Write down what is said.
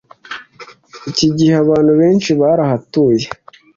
iki gihe abantu benshi barahatuye